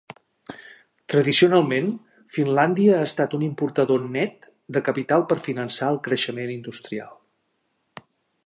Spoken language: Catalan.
Tradicionalment, Finlàndia ha estat un importador net de capital per finançar el creixement industrial.